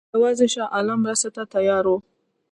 یوازې شاه عالم مرستې ته تیار وو.